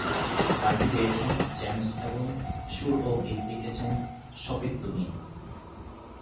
গানটি গেয়েছেন জেমস এবং সুর ও গীত লিখেছেন শফিক তুহিন।